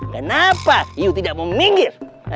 kenapa iu tidak mau minggir